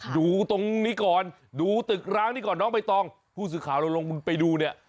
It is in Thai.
ดูตรงนี้ก่อนดูตึกร้างนี้ก่อนน้องไปตองพูดสิทธิ์ข้าวแล้วลงไปดูเนี้ย